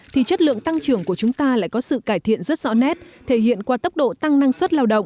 thì chất lượng tăng trưởng của chúng ta lại có sự cải thiện rất rõ nét thể hiện qua tốc độ tăng năng suất lao động